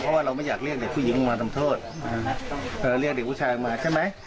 เพราะว่าเราไม่อยากเรียกเด็กผู้หญิงมาทำโทษเรียกเด็กผู้ชายมาใช่ไหม